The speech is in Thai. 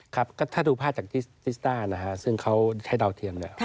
ครับก็ถ้าดูภาพจากทิสตาร์ซึ่งเขาใช้ดาวเทียง